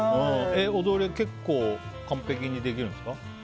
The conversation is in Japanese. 踊りは結構完璧にできるんですか？